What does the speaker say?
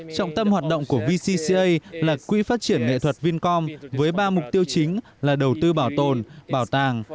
trọng tâm hoạt động của vcca là quỹ phát triển nghệ thuật vincom với ba mục tiêu chính là đầu tư bảo tồn bảo tàng